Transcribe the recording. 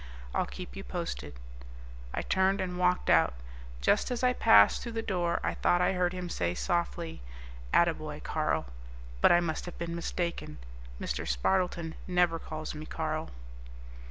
I'll keep you posted." I turned and walked out. Just as I passed through the door I thought I heard him say softly, "Attaboy, Carl," but I must have been mistaken. Mr. Spardleton never calls me Carl.